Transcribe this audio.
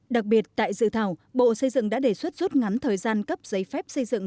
đặc biệt tại dự thảo bộ xây dựng đã đề xuất rút ngắn thời gian cấp giấy phép xây dựng